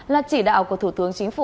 là chỉ đạo của thủ tướng chính phủ